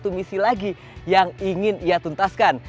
tapi hanya satu misi lagi yang ingin ia tuntaskan